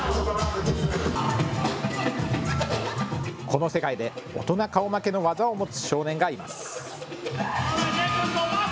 この世界で大人顔負けの技を持つ少年がいます。